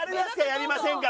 やりませんか？